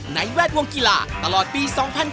แวดวงกีฬาตลอดปี๒๕๕๙